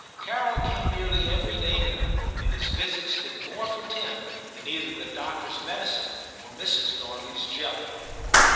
Carol came nearly every day now, and his visits did more for Tim than either the doctor's medicine or Mrs. Darley's jelly.